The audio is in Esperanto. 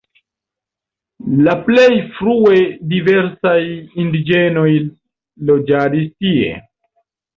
La plej frue diversaj indiĝenoj loĝadis tie.